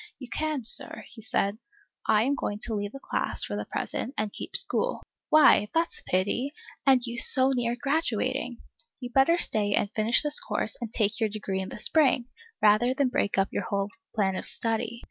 You can, Sir, he said. I am going to leave the class, for the present, and keep school. Why, that 's a pity, and you so near graduating! You'd better stay and finish this course and take your degree in the spring, rather than break up your whole plan of study.